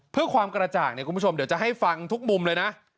เพื่อความกระจ่างเนี่ยคุณผู้ชมเดี๋ยวจะให้ฟังทุกมุมเลยนะ